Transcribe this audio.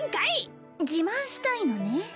自慢したいのね